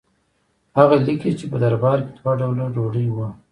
هغه لیکي چې په دربار کې دوه ډوله ډوډۍ وه.